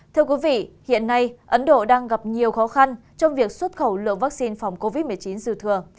thưa quý vị hiện nay ấn độ đang gặp nhiều khó khăn trong việc xuất khẩu lượng vaccine phòng covid một mươi chín dư thừa